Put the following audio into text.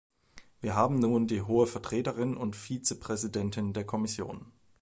Wir haben nun die Hohe Vertreterin und Vizepräsidentin der Kommission.